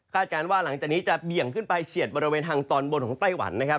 การว่าหลังจากนี้จะเบี่ยงขึ้นไปเฉียดบริเวณทางตอนบนของไต้หวันนะครับ